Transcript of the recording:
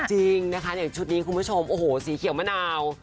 จริงนะคะชุดนี้คุณผู้ชมสีเขียวมะนาว